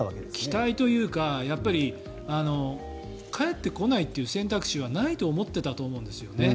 期待というか帰ってこないという選択肢はないと思っていたと思うんですよね。